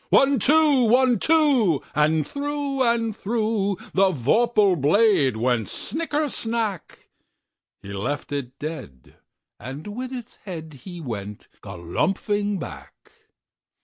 One, two! One, two! And through and throughThe vorpal blade went snicker snack! He left it dead, and with its headHe went galumphing back.